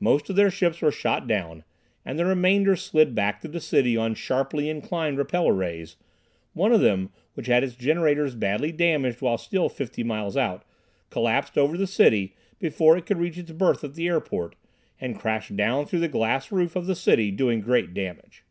Most of their ships were shot down, and the remainder slid back to the city on sharply inclined repeller rays, one of them which had its generators badly damaged while still fifty miles out, collapsed over the city, before it could reach its berth at the airport, and crashed down through the glass roof of the city, doing great damage.